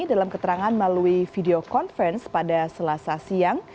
dalam keterangan melalui video conference pada selasa siang